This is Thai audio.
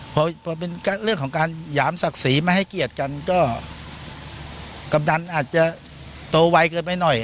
พอเป็นเรื่องของการหยามศักดิ์ศรีมาให้เกียรติกันก็กำดันอาจจะโตไวเกินไปหน่อย